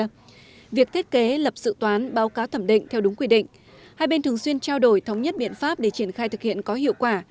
vì vậy việc thiết kế lập dự toán báo cáo thẩm định theo đúng quy định hai bên thường xuyên trao đổi thống nhất biện pháp để triển khai thực hiện có hiệu quả